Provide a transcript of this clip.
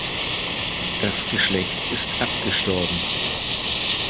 Das Geschlecht ist abgestorben.